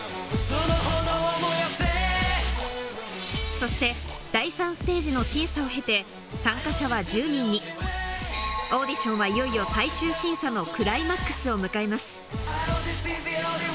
そして第３ステージの審査を経て参加者は１０人にオーディションはクライマックスを迎えます